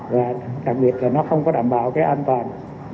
và đặc biệt là nó không có đảm bảo cái an toàn